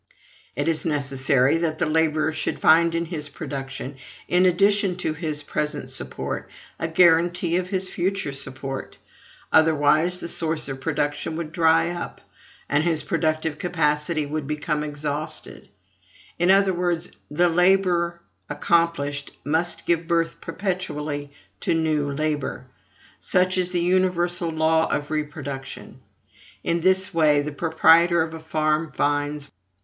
It is necessary that the laborer should find in his production, in addition to his present support, a guarantee of his future support; otherwise the source of production would dry up, and his productive capacity would become exhausted: in other words, the labor accomplished must give birth perpetually to new labor such is the universal law of reproduction. In this way, the proprietor of a farm finds: 1.